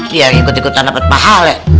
dia yang ikut ikutan dapet pahal ya